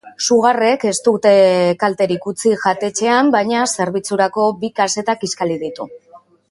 Sugarrek ez dute kalterik utzi jatetxean, baina zerbitzurako bi kaseta kiskali ditu.